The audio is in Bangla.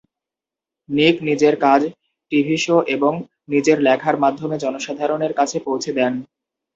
নিক নিজের কাজ টিভি শো এবং নিজের লেখার মাধ্যমে জনসাধারণের কাছে পৌঁছে দেন।